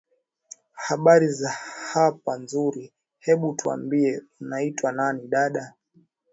habari za hapa nzuri hebu twambie unaitwa nani dada